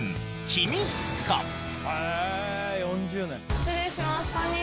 失礼します。